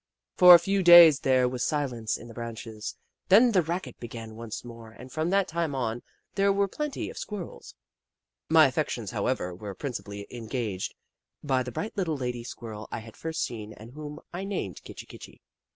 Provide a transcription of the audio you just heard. For a few days there was silence in the branches, then the racket began once more and from that time on there were plenty of Squirrels. My affections, however, were prin cipally engaged by the bright little lady Squirrel I had first seen and whom I named *' Kitchi Kitchi."